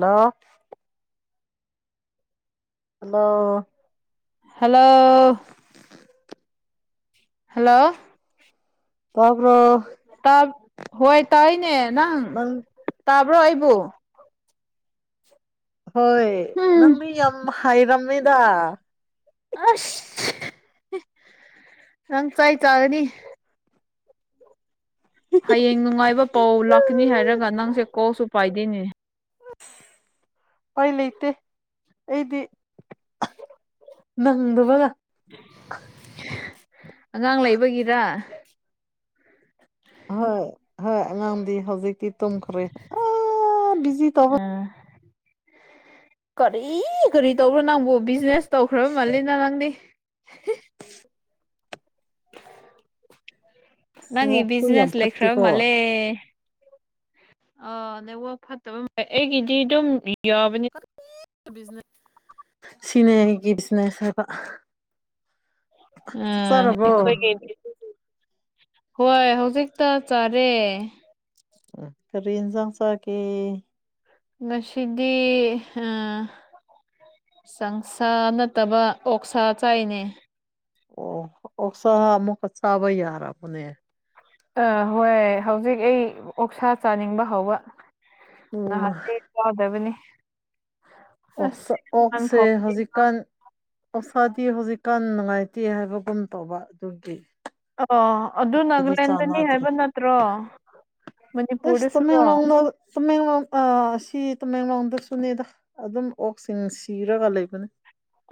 ꯅ ꯑ hello hello ꯇꯞ꯭ꯔꯣ ꯇꯥ ꯍꯣꯏ ꯇꯥꯏꯅꯦ ꯅꯪ ꯇꯥꯕ꯭ꯔꯣ ꯑꯩꯕꯨ ꯍꯣꯏ ꯎꯝ ꯅꯪꯗꯤ ꯌꯥꯝ ꯍꯥꯏꯔꯝꯃꯦꯗ ꯑꯁ ꯅꯪ ꯆꯥꯏ ꯆꯥꯅꯤ ꯍꯌꯦꯡ ꯅꯨꯡꯉꯥꯏꯕ ꯄꯥꯎ ꯂꯥꯛꯀꯅꯤ ꯍꯥꯏꯔꯒ ꯅꯪꯁꯦ ꯀꯣꯛꯁꯨ ꯄꯥꯏꯗꯣꯏꯅꯤ ꯑꯁ ꯎꯄꯥꯏ ꯂꯩꯇꯦ ꯑꯩꯗꯤ ꯅꯪꯗꯕꯒ ꯑꯉꯥꯡ ꯂꯩꯕꯒꯤꯔ ꯍꯣꯏ ꯍꯣꯏ ꯑꯉꯥꯡꯗꯤ ꯍꯧꯖꯤꯛꯇꯤ ꯇꯨꯝꯈ꯭ꯔꯦ ꯑꯥ ꯕꯤꯖꯤ ꯇꯧꯍ ꯑ ꯀꯔꯤ ꯀꯔꯤ ꯇꯧꯕꯣ ꯅꯪꯕꯨ ꯕꯤꯖꯤꯅꯦꯁ ꯇꯧꯈ꯭ꯔꯕ ꯃꯥꯜꯂꯤꯅ ꯅꯪꯗꯤ ꯅꯪꯒꯤ ꯋꯥꯛꯁꯨ ꯌꯥꯝ ꯕꯤꯖꯤꯅꯦꯁ ꯂꯩꯈ꯭ꯔ ꯐꯠꯇꯦꯀꯣ ꯃꯥꯂꯦ ꯑ ꯅꯦꯠꯋꯥꯛ ꯐꯠꯇꯕ ꯑꯩꯒꯤꯗꯤ ꯑꯗꯨꯝ ꯌꯥꯕꯅꯤ ꯁꯤꯅꯦꯒꯤ ꯖꯅꯦꯁꯕ ꯑꯣꯏꯒ ꯍꯣꯏ ꯍꯧꯖꯤꯛꯇ ꯆꯥꯔꯦ ꯐꯔꯤꯟꯁꯥꯡꯁꯀꯤꯦ ꯅꯁꯤꯗꯤ ꯑ ꯆꯪꯁꯥ ꯅꯠꯇꯕ ꯑꯣꯛꯁꯥ ꯆꯥꯏꯅꯦ ꯑꯣ ꯑꯣ ꯁꯥ ꯃ ꯁꯥꯥꯕ ꯌꯥꯔꯄꯅꯦ ꯑ ꯍꯣꯏ ꯍꯧꯖꯤꯛ ꯑꯩ ꯑꯣꯛꯁꯥ ꯆꯥꯅꯤꯡꯕ ꯍꯧꯕ ꯎꯝ ꯅꯍꯥꯟ ꯌꯥꯎꯗꯕꯅꯤ ꯑꯁ ꯑꯣꯛꯁꯦ ꯐꯥꯎꯕꯗꯤ ꯍꯧꯖꯤꯛꯀꯥꯟ ꯑꯣꯁꯥꯗꯤ ꯍꯧꯖꯤꯛꯀꯥꯟ ꯅꯨꯡꯉꯥꯏꯇꯦ ꯍꯥꯏꯕꯒꯨꯝ ꯇꯧꯕ ꯑꯗꯨꯒꯤ ꯑꯣ ꯑꯗꯨ ꯑꯩꯈꯣꯏꯗꯤ ꯅꯥꯒꯥꯂꯦꯟꯗꯅꯤ ꯍꯥꯏꯕ ꯅꯠꯇ꯭ꯔꯣ ꯑꯦꯁ ꯃꯅꯤꯄꯨꯔꯗꯁꯨꯔꯣ ꯇꯨꯃꯦꯡꯂꯣꯡꯗꯣ ꯇꯃꯦꯡꯂꯣꯡ ꯑ ꯁꯤ ꯇꯃꯦꯡꯂꯣꯡꯗꯁꯨꯅꯦꯗ ꯑꯗꯨꯝ ꯑꯣꯛꯁꯤꯡ ꯁꯤꯔꯒ ꯂꯩꯕꯅꯦ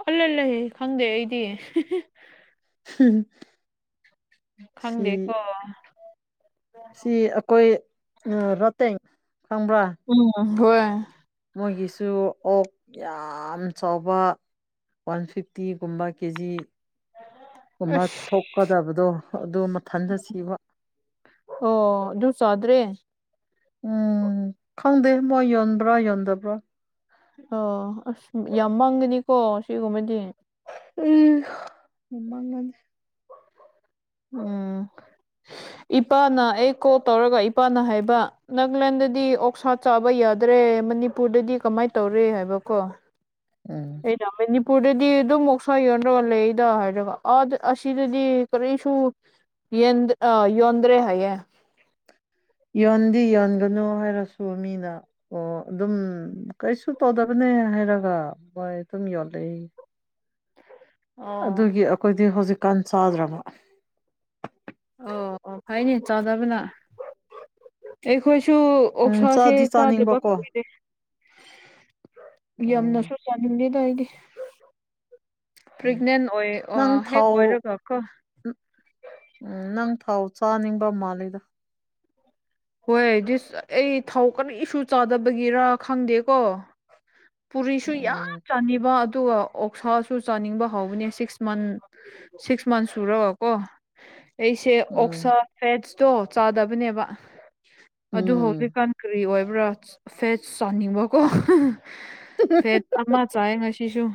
ꯑꯜ ꯂꯩ ꯈꯪꯗꯦ ꯑꯩꯗꯤꯦ ꯎꯝ ꯈꯪꯗꯦꯀꯣ ꯁꯤ ꯑꯩꯈꯣꯏ ꯔꯥꯇꯦꯡ ꯈꯪꯕ꯭ꯔꯥ ꯎꯝ ꯍꯣꯏ ꯃꯣꯏꯒꯤꯁꯨ ꯑꯣꯛ ꯌꯥꯝ ꯆꯥꯎꯕ ꯋꯥꯟ ꯐꯤꯐꯇꯤꯒꯨꯝꯕ ꯀꯦꯖꯤ ꯑꯃ ꯑꯁ ꯊꯣꯛꯀꯗꯕꯗꯣ ꯑꯗꯨ ꯃꯊꯟꯗ ꯁꯤꯕ ꯑꯣ ꯑꯗꯨꯁꯗ꯭ꯔꯦ ꯎꯝ ꯈꯪꯗꯦ ꯃꯣꯏ ꯌꯣꯟꯕ꯭ꯔꯥ ꯌꯣꯟꯗꯕ꯭ꯔꯥ ꯑ ꯑꯁ ꯌꯥꯝ ꯃꯪꯒꯅꯤꯀꯣ ꯁꯤꯒꯨꯝꯕꯗꯤ ꯎꯝ ꯃꯃꯥꯡꯒꯅꯦ ꯎꯝ ꯏꯄꯥꯅ ꯑꯩ ꯀꯣꯜ ꯇꯧꯔꯒ ꯏꯄꯥꯅ ꯍꯥꯏꯕ ꯅꯅꯥꯒꯂꯦꯟꯗꯗꯤ ꯑꯣꯛꯁꯥ ꯆꯥꯕ ꯌꯥꯗ꯭ꯔꯦ ꯃꯅꯤꯄꯨꯔꯗꯗꯤ ꯀꯃꯥꯏꯅ ꯇꯧꯔꯦ ꯍꯥꯏꯕꯀꯣ ꯎꯝ ꯑꯩꯗ ꯃꯅꯤꯄꯨꯔꯗꯗꯤ ꯑꯗꯨꯝ ꯃꯣꯛꯁꯥ ꯌꯣꯟꯅ꯭ꯔꯒꯜ ꯂꯩꯦꯗ ꯍꯥꯏꯔꯒ ꯑꯗ ꯑꯁꯤꯗꯗꯤ ꯀꯔꯤ ꯁ ꯌ ꯌꯣꯗ꯭ꯔꯦ ꯍꯥꯏ ꯌꯣꯟꯗꯤ ꯌꯣꯟꯒꯅꯨ ꯍꯥꯏꯔꯁꯨ ꯃꯤꯅ ꯑꯣ ꯑꯗꯨꯝ ꯀꯩꯁꯨ ꯇꯧꯗꯕꯅꯤ ꯍꯥꯏꯔꯒ ꯣꯏ ꯇꯝ ꯌꯣ ꯂꯩ ꯑꯣ ꯑꯗꯨꯒꯤ ꯑꯩꯈꯣꯏꯗꯤ ꯍꯧꯖꯤꯛꯀꯥꯟ ꯆꯥꯗ꯭ꯔꯕ ꯑꯣ ꯑꯣ ꯐꯩꯅꯤ ꯆꯥꯗꯕꯅ ꯑꯩꯈꯣꯏ ꯁ ꯎꯝ ꯑꯣꯁꯥꯁꯦ ꯆꯥꯗꯤ ꯆꯗꯕꯦ ꯆꯥꯅꯤꯡꯕꯀꯣ ꯎꯝ ꯌꯥꯝꯅꯁꯨ ꯄꯥꯅꯤꯡꯗꯦꯗꯏꯗꯤ ꯎꯝ ꯅꯪ ꯍꯦꯛ ꯊꯥꯎ ꯑꯣꯏꯔꯒ ꯀꯣ ꯎꯝ ꯅꯪꯊꯥꯎ ꯆꯥꯅꯤꯡꯕ ꯃꯥꯂꯦꯗ ꯍꯣꯏ ꯗꯤꯁ ꯑꯩ ꯊꯥꯎ ꯀꯔꯤ ꯏꯁꯨ ꯆꯥꯗꯕꯒꯤꯔꯥ ꯈꯪꯗꯦꯀꯣ ꯄꯨꯔꯤꯁꯨ ꯌꯥꯝ ꯎꯝ ꯆꯥꯅꯤꯕ ꯑꯗꯨꯒ ꯑꯣꯛꯁꯥꯁꯨ ꯆꯥꯅꯤꯡꯕ ꯍꯧꯕꯅꯦ ꯁꯤꯛꯁ ꯃꯟ ꯁꯤꯛꯁ ꯃꯟꯁ ꯁꯨꯔꯒꯀꯣ ꯑꯩꯁꯦ ꯑꯣꯛꯁꯥ ꯎꯝ ꯐꯦꯠꯁꯇꯣ ꯆꯥꯗꯕꯅꯦꯕ ꯑꯗꯨ ꯎꯝ ꯍꯧꯖꯤꯛꯀꯥꯟ ꯀꯔꯤ ꯑꯣꯏꯕ꯭ꯔꯥ ꯐꯦꯁ ꯆꯥꯅꯤꯡꯕꯀꯣ ꯐꯦ ꯑ ꯆꯥꯥꯏ ꯉꯁꯤꯁꯨꯨ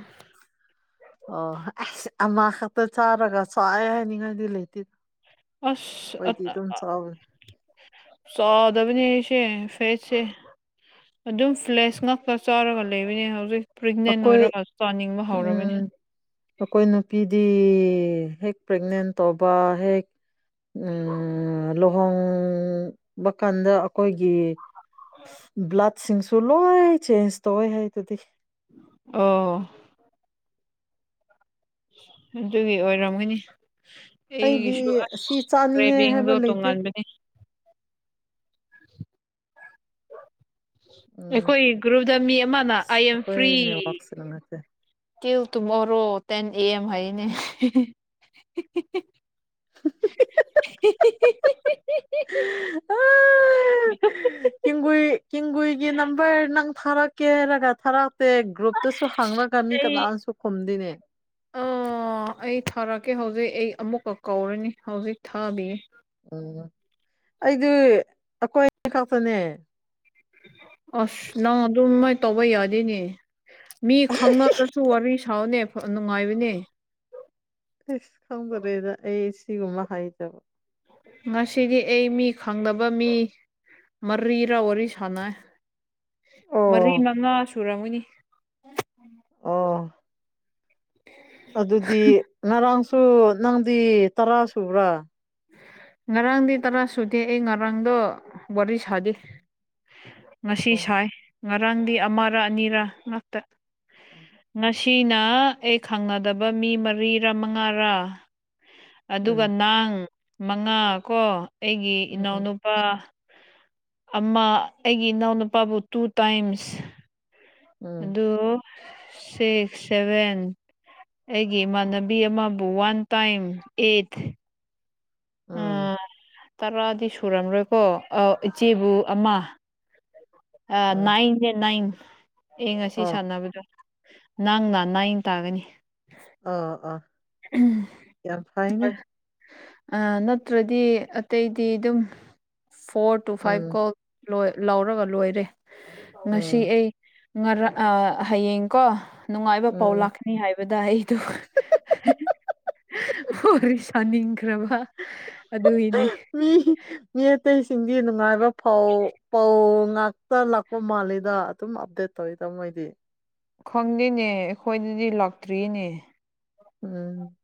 ꯑꯣ ꯑꯁ ꯑ ꯈꯛꯇ ꯆꯥꯔꯒ ꯆꯥꯏ ꯍꯥꯏꯅꯤꯡꯉꯥꯏꯗꯤ ꯂꯩꯇꯦꯔꯣ ꯑꯁ ꯑ ꯁꯣ ꯐꯗꯕꯅꯦ ꯑꯩꯁꯦ ꯐꯦꯁꯁꯦ ꯑꯗꯨꯝ ꯐ꯭ꯂꯦꯁ ꯉꯥꯛꯇ ꯆꯥꯔꯒ ꯂꯩꯕꯅꯦ ꯍꯧꯖꯤꯛ ꯄ꯭ꯔꯦꯒꯅꯦꯟ ꯑꯩꯈꯣꯏ ꯑꯣꯏꯔꯒ ꯆꯥꯅꯤꯡꯕ ꯍꯧꯔꯕꯅꯦ ꯎꯝ ꯑꯩꯈꯣꯏ ꯅꯨꯄꯤꯗꯤ ꯍꯦꯛ ꯄ꯭ꯔꯦꯒꯅꯦꯟ ꯇꯧꯕ ꯍꯦꯛ ꯎ ꯂꯨꯍꯣꯡꯕ ꯀꯥꯟꯗ ꯑꯩꯈꯣꯏꯒꯤ ꯑ ꯁꯤꯡꯁꯨ ꯂꯣꯏ ꯆꯦꯟꯖ ꯇꯧꯋꯦ ꯍꯥꯏ ꯑꯗꯨꯗꯤ ꯑꯣ ꯑꯗꯨꯒꯤ ꯑꯣꯏꯔꯝꯒꯅꯤ ꯑꯩꯗꯤ ꯑꯩꯒꯤꯁꯨ ꯑꯁ ꯑꯁꯤ ꯆꯥꯅꯤꯡꯉꯦ ꯍꯥꯏꯕ ꯔꯦꯚꯡꯗꯣ ꯂꯩꯇꯦ ꯇꯣꯉꯥꯟꯕꯅꯤ ꯎꯝ ꯑꯩꯈꯣꯏ ꯒ꯭ꯔꯨꯞꯗ ꯃꯤ ꯑꯃꯅ ꯑꯥꯏ ꯑꯦꯝ ꯑꯩꯈꯣꯏ ꯐ꯭ꯔꯤ ꯅꯦꯠꯋꯥꯛꯁꯤꯅ ꯅꯠꯇꯦ ꯇꯜ ꯇꯨꯃꯔꯣ ꯇꯦꯟ ꯑꯦꯦꯝ ꯍꯥꯏꯅꯦ [inaudible] ꯒꯨꯒꯨꯏꯒꯤ ꯅꯝꯕꯔ ꯅꯪ ꯊꯥꯔꯛ ꯀꯦꯔꯒ ꯊꯔ ꯦ ꯒ꯭ꯔꯨꯞꯇꯁꯨ ꯍꯥꯡꯅꯒ ꯃꯤ ꯑꯩ ꯀꯅꯥꯅꯁꯨ ꯈꯨꯝꯗꯅꯦ ꯑꯣꯦ ꯍꯧꯖꯤꯛ ꯑꯩ ꯑꯃꯨꯛꯀ ꯀꯧꯔꯅꯤ ꯍꯧꯖꯤꯛ ꯊꯥꯕꯤꯌꯦ ꯎꯝ ꯑꯩꯗꯤ ꯑꯩꯈꯣꯏ ꯑꯅꯤ ꯈꯛꯇꯅꯦ ꯑꯁ ꯅꯪ ꯑꯗꯨꯃꯥꯏꯅ ꯇꯧꯕ ꯌꯥꯗꯦꯅꯦ ꯃꯤ ꯈꯪꯉꯒꯁꯨ ꯋꯥꯔꯤ ꯊꯥꯎꯅꯦ ꯅꯨꯡꯉꯥꯏꯕꯅꯦ ꯈꯝꯗꯔꯦꯗ ꯑꯩ ꯁꯤꯒꯨꯝꯕ ꯍꯥꯏꯖꯕ ꯉꯁꯤꯗꯤ ꯑꯩ ꯃꯤ ꯈꯪꯗꯕ ꯃꯤ ꯃꯔꯤꯔ ꯋꯥꯔꯤ ꯁꯥꯟꯅꯩ ꯃꯔꯤ ꯑꯣ ꯃꯉꯥ ꯁꯨꯔꯝꯃꯨꯅꯤ ꯑꯣ ꯑꯗꯨꯗꯤ ꯉꯔꯥꯡ ꯁꯨ ꯅꯪꯗꯤ ꯇꯔꯥ ꯁꯨꯕ꯭ꯔꯥ ꯉꯔꯥꯡꯗꯤ ꯇꯔꯥ ꯁꯨꯗꯦ ꯑꯩ ꯉꯔꯥꯡꯗꯣ ꯋꯥꯔꯤ ꯁꯥꯗꯤꯦ ꯉꯁꯤ ꯑꯣ ꯁꯥꯏ ꯉꯔꯥꯡꯗꯤ ꯑꯃꯔ ꯑꯅꯤꯔ ꯉꯥꯛꯇ ꯉꯁꯤꯅ ꯑꯩ ꯈꯪꯅꯗꯕ ꯃꯤ ꯃꯔꯤꯔꯥ ꯃꯉꯥꯔꯥ ꯑꯗꯨꯒ ꯎꯝ ꯅꯥꯡ ꯃꯉꯥ ꯀꯣ ꯑꯩꯒꯤ ꯎꯝ ꯏꯅꯥꯎꯅꯨꯄꯥ ꯑꯃ ꯑꯩꯒꯤ ꯏꯅꯥꯎꯅꯨꯄꯥꯕꯨ ꯇꯨ ꯇꯥꯏꯝꯁ ꯎꯝ ꯑꯗꯨ ꯁꯤꯛꯁ ꯁꯚꯦꯟ ꯑꯩꯒꯤ ꯏꯃꯥꯟꯅꯕꯤ ꯑꯃꯕꯨ ꯋꯥꯟ ꯇꯥꯏꯝ ꯑꯦꯠ ꯎ ꯎꯝ ꯇꯔꯥꯗꯤ ꯁꯨꯔꯝꯔꯣꯏꯀꯣ ꯏꯆꯦꯕꯨ ꯑꯃ ꯑ ꯑꯥ ꯅꯥꯏꯟꯦ ꯅꯏꯟ ꯑꯦ ꯉꯁꯤ ꯑꯥ ꯁꯥꯟꯅꯕꯗꯣ ꯅꯪ ꯅꯥ ꯅꯥꯏꯡ ꯇꯥꯒꯅꯤ ꯑꯥ ꯑꯥ ꯌꯥꯝ ꯐꯥꯏꯅꯦ ꯅꯠꯇ꯭ꯔꯗꯤ ꯑꯇꯩꯗꯤ ꯑꯗꯨꯝ ꯐꯣꯔ ꯇꯨ ꯐꯥꯏꯚ ꯎꯝ ꯀꯣꯜ ꯂ ꯂꯥꯎꯔꯒ ꯂꯣꯏꯔꯦ ꯉꯁꯤ ꯎꯝ ꯑꯩ ꯉꯥꯡ ꯍꯌꯦꯡ ꯀꯣ ꯅꯨꯡꯉꯥꯏꯕ ꯄꯥꯎ ꯎꯝ ꯂꯥꯛꯀꯅꯤ ꯍꯥꯏꯕꯗ ꯑꯩꯗ ꯍ ꯁꯅꯤ ꯈ꯭ꯔꯕ ꯑꯗꯨꯒꯤꯅꯦ ꯁꯤꯡꯒꯤ ꯅꯨꯡꯉꯥꯏꯕꯧ ꯄꯥꯎ ꯉꯥꯛꯇ ꯂꯥꯛꯄ ꯃꯥꯜꯂꯤꯗ ꯑꯗꯨꯝ ꯑꯞꯗꯦꯠ ꯇꯧꯋꯤ ꯇꯥꯃꯣꯣꯏꯗꯤ ꯈꯪꯗꯦꯅꯦ ꯑꯩꯈꯣꯏꯗꯗꯤ ꯂꯥꯛꯇ꯭ꯔꯤꯅꯦ ꯎꯝ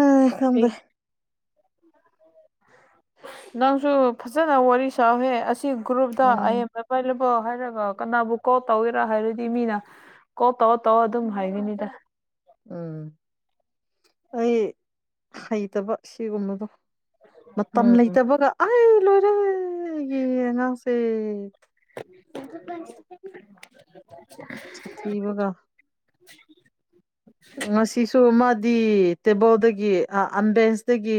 ꯑ ꯊꯝꯕ ꯅꯪꯁꯨ ꯐꯖꯅ ꯋꯥꯔꯤ ꯁꯍꯦ ꯑꯁꯤ ꯒ꯭ꯔꯨꯞꯇ ꯎꯝ ꯑꯦꯝꯕ ꯑꯣ ꯍꯥꯏꯔꯒ ꯀꯅꯥꯕꯨ ꯀꯣꯜ ꯇꯧꯒꯦꯔꯥ ꯍꯥꯏꯔꯗꯤ ꯃꯤꯅ ꯀꯣ ꯇꯧꯑꯣꯣ ꯇꯧꯑꯣ ꯑꯗꯨꯝ ꯍꯥꯏꯒꯅꯤꯗ ꯎꯝ ꯑꯩ ꯍꯩꯇꯕ ꯁꯤꯒꯨꯝꯕꯗꯣ ꯃꯇꯝ ꯎꯝ ꯂꯩꯇꯕꯒ ꯑꯩ ꯂꯣꯏꯔꯦ ꯌꯦ ꯉꯥꯡꯥꯁꯦ [inaudible] ꯊꯤꯕꯒ ꯉꯁꯤꯁꯨ ꯃꯥꯗꯤ ꯇꯦꯕꯜꯗꯒꯤ ꯑ ꯕꯦꯟꯁꯇꯒꯤ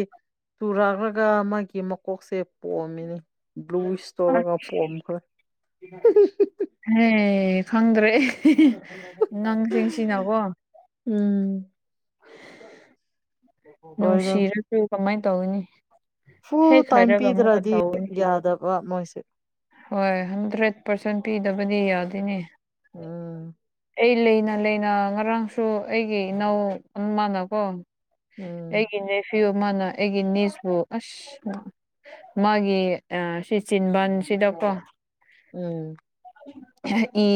ꯆꯨꯔꯂꯒ ꯃꯥꯒꯤ ꯃꯀꯣꯛꯁꯦ ꯄꯣꯛꯑꯝꯃꯤꯅꯤ ꯕ꯭ꯂꯨ ꯁꯇꯣꯣꯔꯒ ꯄꯝ ꯈ ꯍꯦ ꯈꯪꯗ꯭ꯔꯦ ꯅꯪꯁꯤꯡꯁꯤꯅꯀꯣ ꯎꯝ ꯅꯨꯡꯁꯤꯔꯁꯨ ꯀꯃꯥꯏꯅ ꯇꯧꯅꯤ ꯐꯨ ꯍꯦꯛ ꯇꯥꯏꯝ ꯍꯥꯏꯔꯒ ꯑꯃꯨꯛꯀ ꯄꯤꯗ꯭ꯔꯗꯤ ꯌꯥꯗꯕ ꯃꯣꯏꯁꯦ ꯍꯣꯏ ꯍꯟꯗ꯭ꯔꯦꯠ ꯄꯥꯔꯁꯦꯟ ꯄꯤꯗꯕꯗꯤ ꯌꯥꯗꯣꯏꯅꯦ ꯎꯝ ꯑꯩ ꯂꯩꯅ ꯂꯩꯅ ꯉꯔꯥꯡꯁꯨ ꯑꯩꯒꯤ ꯏꯅꯥꯎ ꯑꯃꯅꯀꯣ ꯎꯝ ꯑꯩꯒꯤ ꯃꯦꯁꯤꯕꯨ ꯃꯥꯅ ꯑꯩꯒꯤ ꯃꯤꯁꯄꯨ ꯑꯁ ꯃꯥꯒꯤ ꯑꯥ ꯁꯤ ꯆꯤꯟꯕꯥꯟꯁꯤꯗꯀꯣ ꯎꯝ ꯑꯍꯝ ꯏ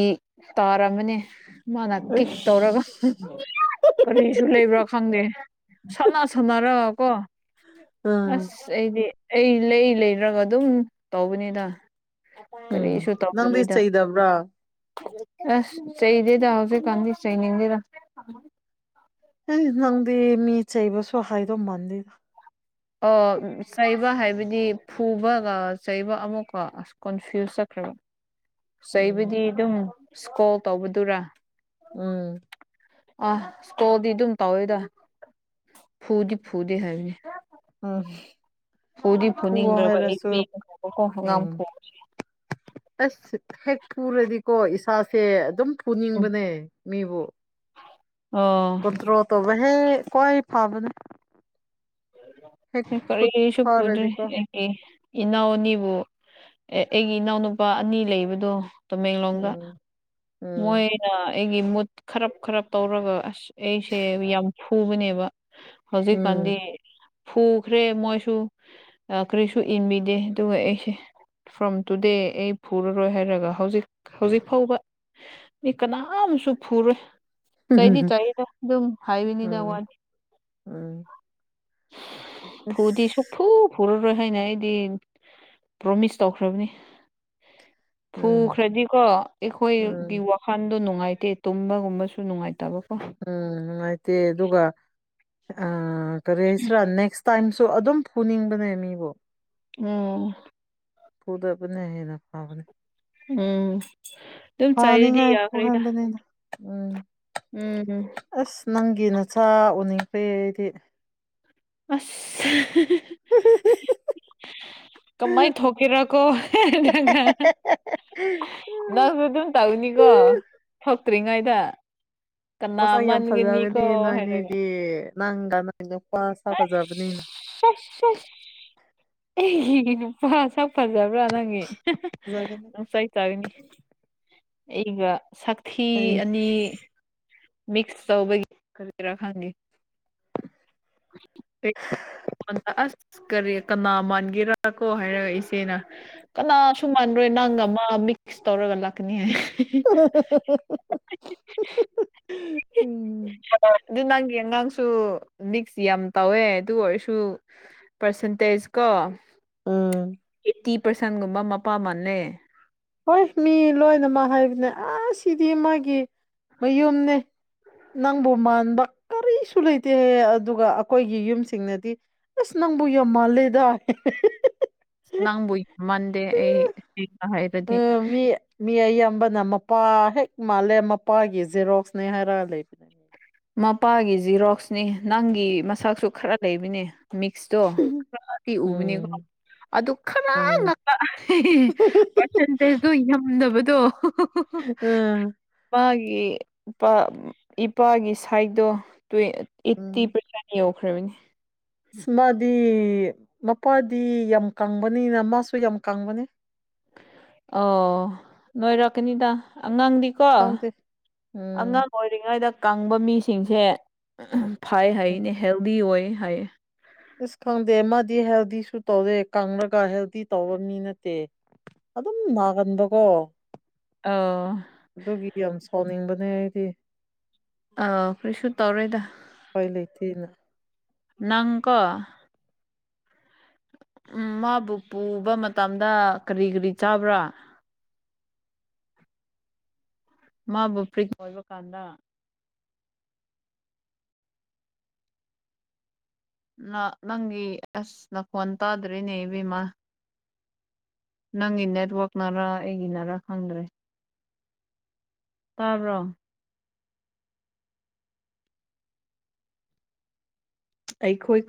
ꯇꯥꯔꯝꯕꯅꯦ ꯃꯥꯅ ꯀꯤꯛ ꯇꯧꯔꯒ ꯑꯁ ꯀꯔꯤꯁꯨ ꯂꯩꯕ꯭ꯔꯥ ꯈꯪꯗꯦ [inaudible] ꯁꯥꯟꯅ ꯁꯅꯔꯒ ꯀꯣ ꯎꯝ ꯑꯁ ꯑꯩꯗꯤ ꯑꯩ ꯂꯩ ꯂꯩꯔꯒ ꯑꯗꯨꯝ ꯇꯧꯕꯅꯤꯗ ꯎꯝ ꯀꯔꯤꯁꯨ ꯇꯧ ꯅꯪꯗꯤ ꯆꯩꯗꯕ꯭ꯔꯥ [inaudible] ꯑꯁ ꯆꯩꯗꯦꯗ ꯍꯧꯖꯤꯛ ꯀꯥꯟꯗꯤ ꯆꯩꯅꯤꯡꯗꯦꯗ ꯍꯩ ꯅꯪꯗꯤ ꯃꯤ ꯆꯩꯕꯁꯨ ꯍꯩꯗꯧ ꯃꯥꯟꯗꯦꯗ ꯑꯣ ꯎꯝ ꯎꯝ ꯆꯩꯕ ꯍꯥꯏꯕꯗꯤ ꯐꯨꯕꯒ ꯆꯩꯕ ꯑꯃꯨꯛꯀ ꯑꯁ ꯀꯣꯟꯐ꯭ꯌꯨꯁ ꯆꯠ ꯎꯝ ꯆꯩꯕꯨꯗꯤ ꯑꯗꯨꯝ ꯁꯀꯣꯜ ꯇꯧꯕꯗꯨꯔꯥ ꯎꯝ ꯑꯥ ꯏꯁꯀꯦꯜꯗꯤ ꯑꯗꯨꯝ ꯇꯧꯋꯦꯗ ꯐꯨꯗꯤ ꯐꯨꯗꯦ ꯍꯥꯏꯕꯅꯤ ꯑ ꯍꯨꯝ ꯐꯨꯗꯤ ꯐꯨꯅꯤꯡꯗ꯭ꯔꯦꯕ ꯑꯩ ꯄꯦꯟꯅ ꯆꯩꯕꯀꯣ ꯑꯉꯥꯡ ꯎꯝ ꯐꯨꯕꯖꯦ ꯑꯁ ꯍꯦꯛ ꯐꯨꯔꯗꯤꯀꯣ ꯏꯁꯥꯁꯦ ꯑꯗꯨꯝ ꯐꯨꯅꯤꯡꯕꯅꯦ ꯃꯤꯕꯨ ꯑꯣ ꯀꯟꯇ꯭ꯔꯣ ꯇꯧꯕ ꯍꯦ ꯀꯋꯥꯏ ꯐꯕꯅꯦ ꯍꯦꯛ ꯈꯨꯠ ꯀꯔꯤꯁꯨ ꯄꯨꯗ꯭ꯔꯤ ꯊꯥꯔꯗꯤꯀꯣ ꯑꯩ ꯏꯅꯥꯎ ꯑꯅꯤꯕꯨ ꯑꯦ ꯑꯩꯒꯤ ꯏꯅꯥꯎꯅꯨꯄꯥ ꯑꯅꯤ ꯂꯩꯕꯗꯣ ꯇꯃꯦꯡꯂꯣꯡꯗ ꯎꯝ ꯎꯝ ꯃꯣꯏꯅ ꯑꯩꯒꯤ ꯃꯨꯠ ꯈꯔꯞ ꯈꯔꯞ ꯇꯧꯔꯒ ꯑꯁ ꯑꯩꯁꯦ ꯌꯥꯝ ꯐꯨꯕꯅꯦꯕ ꯍꯧꯖꯤꯛꯀꯥꯟꯗꯤ ꯎꯝ ꯐꯨꯈ꯭ꯔꯦ ꯃꯣꯏꯁꯨ ꯀꯔꯤꯁꯨ ꯏꯟꯕꯤꯗꯦ ꯑꯗꯨꯒ ꯑꯩꯁꯦ ꯐ꯭ꯔꯣꯝ ꯇꯨꯗꯦ ꯑꯩ ꯐꯨꯔꯔꯣꯏ ꯍꯥꯏꯔꯒ ꯍꯧꯖꯤꯛ ꯍꯧꯖꯤꯛ ꯐꯥꯎꯕ ꯃꯤ ꯀꯅꯥꯝꯁꯨ ꯐꯨꯔꯣꯏ ꯆꯩꯗꯤ ꯆꯩꯌꯦꯀꯣ ꯑꯗꯨꯝ ꯍꯥꯏꯕꯅꯤꯗ ꯎꯝ ꯋꯥꯅꯤ ꯎꯝ ꯐꯨꯗꯤ ꯑꯁ ꯁꯨꯐꯨ ꯐꯨꯔ ꯔꯣꯏ ꯍꯥꯏꯅ ꯑꯩꯗꯤ ꯄ꯭ꯔꯣꯃꯤꯁ ꯇꯧꯈ꯭ꯔꯕꯅꯤ ꯎꯝ ꯐꯨꯈ꯭ꯔꯗꯤꯀꯣ ꯏꯈꯣꯏ ꯒꯤ ꯎꯝ ꯋꯥꯈꯜ ꯗꯨ ꯅꯨꯡꯉꯥꯏꯇꯦ ꯇꯨꯝꯕꯒꯨꯝꯕꯁꯨ ꯅꯨꯡꯉꯥꯏꯇꯕ ꯎꯝ ꯅꯨꯉꯥꯏꯇꯦ ꯑꯗꯨꯒ ꯑ ꯀꯔꯤ ꯍꯥꯏꯁꯤꯔꯥ ꯅꯦꯛꯁ ꯇꯥꯏꯝ ꯁꯨ ꯑꯗꯨꯝ ꯐꯨꯅꯤꯡꯕꯅꯦ ꯃꯤꯕꯨ ꯎꯝ ꯐꯨꯗꯕꯅ ꯍꯦꯟꯅ ꯐꯕꯅꯦ ꯎꯝ ꯑꯗꯨꯝ ꯆꯩꯔꯗꯤ ꯐꯅꯤꯉꯥꯏ ꯌꯥꯈ꯭ꯔꯦꯗ ꯐꯨꯍꯟꯕꯅꯤꯗ ꯎꯝ ꯎꯝ ꯑꯁ ꯅꯪꯒꯤ ꯅꯠꯆ ꯑꯥ ꯎꯅꯤꯡꯇꯤꯌꯦ ꯑꯩꯗꯤ ꯑ [inaudible] ꯀꯃꯥꯏ ꯊꯣꯛꯀꯦꯔꯀꯣ ꯅꯪꯒ ꯅꯪꯗꯨ ꯑꯗꯨꯝ ꯇꯧꯅꯤꯀꯣ ꯊꯣꯛꯇ꯭ꯔꯤꯉꯩꯗ ꯀꯅꯥ ꯃꯁꯥ ꯌꯥꯝ ꯃꯟꯒꯅꯤꯀꯣ ꯐꯖꯒꯅꯤꯌꯦ ꯍꯥꯏꯔꯒ ꯅꯣꯏꯅꯤꯗꯤ ꯅꯪꯒꯥ ꯃꯥꯏ ꯅꯨꯥ ꯁꯥ ꯐꯖꯕꯅꯤꯅ ꯑꯦ ꯁ [inaudible] ꯐꯖꯕ꯭ꯔꯥ ꯅꯪꯒꯤ ꯐꯖꯒꯅꯤ ꯅꯨꯡꯁꯥꯏ ꯆꯥꯔꯤꯅꯤ ꯑꯩꯒ ꯁꯛꯊꯤ ꯑꯩ ꯑꯅꯤ ꯃꯤꯛꯁ ꯇꯧꯕꯒꯤ ꯀꯔꯤꯔꯥ ꯈꯪꯉꯦ ꯑ ꯑꯩꯉꯣꯟꯗ ꯑꯁ ꯀꯔꯤ ꯀꯅꯥ ꯃꯥꯟꯒꯦꯔꯥ ꯀꯣ ꯍꯥꯏꯔ ꯏꯆꯦꯅ ꯀꯅꯥꯁꯨ ꯃꯥꯟ ꯍꯣꯏ ꯅꯪꯒ ꯑꯃ ꯃꯤꯛꯁ ꯇꯧꯔꯒ ꯂꯥꯛꯀꯅꯤ ꯍꯥꯏ ꯍ ꯑꯗꯨ ꯅꯪꯦ ꯑꯉꯥꯡꯁꯨ ꯃꯤꯛꯁ ꯌꯥꯝ ꯇꯧꯋꯦ ꯑꯗꯨ ꯑꯣꯏꯔꯁꯨ ꯄꯔꯁꯦꯟꯇꯦꯖ ꯀꯣ ꯎꯝ ꯐꯤꯇꯤ ꯄꯥꯔꯁꯦꯟꯒꯨꯝꯕ ꯃꯄꯥ ꯃꯜꯂꯦ ꯍꯣꯏ ꯃꯤ ꯂꯣꯏꯅꯃꯛ ꯍꯥꯏꯕꯅꯦ ꯑ ꯁꯤꯗꯤ ꯃꯥꯒꯤ ꯃꯌꯨꯝꯅꯦ ꯅꯪꯕꯨ ꯃꯥꯟꯕ ꯀꯔꯤꯁꯨ ꯂꯩꯇꯦ ꯑꯗꯨꯒ ꯑꯩꯈꯣꯏꯒꯤ ꯌꯨꯝꯁꯤꯡꯅꯗꯤ ꯑꯁ ꯅꯪꯕꯨ ꯌꯥꯝ ꯃꯥꯜꯂꯦꯗ ꯅꯪꯕꯨ ꯌꯥꯝ ꯃꯥꯟꯗꯦ ꯑꯩ ꯍꯕ ꯍꯥꯏꯔꯗꯤ ꯑꯝꯕꯅ ꯃꯄꯥ ꯍꯦꯛ ꯃꯥꯜꯂꯦ ꯃꯄꯥꯒꯤ ꯖꯦꯔꯣꯛꯁꯅꯦ ꯍꯥꯏꯔꯒ ꯂꯩꯕ ꯃꯄꯥꯒꯤ ꯖꯤꯔꯣꯛꯁꯅꯤ ꯅꯪꯒꯤ ꯃꯁꯛꯁꯨ ꯈꯔ ꯂꯩꯕꯅꯦ ꯃꯤꯛꯁꯣ ꯎꯕꯅꯤꯀꯣ ꯎꯝ ꯑꯗꯨ ꯈꯅꯥ ꯎꯝ ꯄꯥꯔꯁꯦꯟꯇꯦꯖꯇꯣ ꯌꯥꯝꯗꯕ ꯑꯥ ꯑꯩ ꯏꯄꯥꯒꯤ ꯁꯥꯏꯗꯠꯇꯣ ꯎꯝ ꯑꯩꯠꯇꯤ ꯄꯔꯁꯦꯟꯣ ꯈ꯭ꯔꯕꯅꯤ ꯑꯁ ꯃꯥꯗꯤ ꯃꯄꯥꯗꯤ ꯌꯥꯝ ꯀꯪꯕꯅꯤꯅ ꯃꯥꯁꯨ ꯌꯥꯝ ꯀꯪꯕꯅꯤ ꯑꯣ ꯅꯣꯏꯔꯀꯅꯤꯗ ꯑꯉꯥꯡꯗꯤꯀꯣ ꯈꯪꯗꯦ ꯎꯝ ꯑꯉꯥꯡ ꯑꯣꯏꯔꯤꯉꯩꯗ ꯀꯪꯕ ꯃꯤꯁꯤꯡꯁꯦ ꯐꯩ ꯍꯥꯏꯅꯦ ꯍꯦꯜꯗꯤ ꯑꯣꯏ ꯍꯥꯏ ꯑꯁ ꯈꯪꯗꯦ ꯃꯥꯗꯤ ꯍꯦꯜꯗꯤꯁꯨ ꯇꯧꯔꯦ ꯀꯪꯂꯔꯒ ꯍꯦꯜꯗꯤ ꯇꯧꯕ ꯃꯤ ꯅꯠꯇꯦ ꯑꯗꯨꯝ ꯅꯥꯒꯟꯕꯀꯣ ꯑꯥ ꯑꯗꯨꯒꯤ ꯌꯥꯝ ꯁꯥꯎꯅꯤꯡꯕꯅꯦ ꯑꯩꯗꯤ ꯑꯥ ꯀꯔꯤꯁꯨ ꯇꯧꯔꯣꯏꯗ ꯎꯄꯥꯏ ꯂꯩꯇꯦꯅ ꯅꯪꯀ ꯎꯝ ꯃꯥꯕꯨ ꯄꯨꯕ ꯃꯇꯝꯗ ꯀꯔꯤ ꯀꯔꯤ ꯆꯥꯕ꯭ꯔꯥ [unintelligible] ꯃꯥꯕꯨ ꯐ꯭ꯔꯤꯛ ꯑꯣꯏꯕ ꯀꯥꯟꯗ ꯅꯪꯒꯤ ꯑꯁꯅ ꯐꯣꯟ ꯇꯥꯗ꯭ꯔꯤꯅꯦ ꯏꯕꯦꯝꯃꯥ ꯅꯪꯒꯤ ꯅꯦꯠꯋꯥꯛꯅꯔ ꯑꯩꯒꯤꯅꯔꯥ ꯈꯪꯗ꯭ꯔꯦ ꯇꯥꯕꯥꯎ ꯑꯩꯈꯣꯏ ꯑꯩ